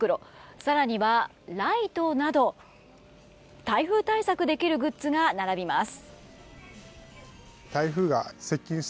更には、ライトなど台風対策できるグッズが並びます。